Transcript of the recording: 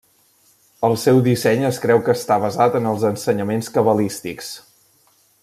El seu disseny es creu que està basat en els ensenyaments cabalístics.